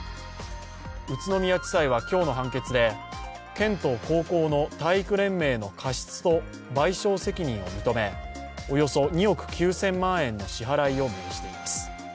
宇都宮地裁は今日の判決で県と高校の体育連盟の過失と賠償責任を認め、およそ２億９０００万円の支払いを命じています。